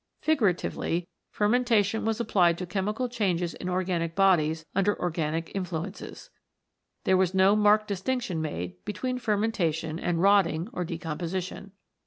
Figuratively, fermentation was applied to chemical changes in organic bodies under organic influences. There was no marked distinction made between fermentation and rotting or decomposition.